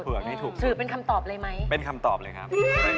นี้ถูกสื่อเป็นคำตอบเลยไหมเป็นคำตอบเลยครับ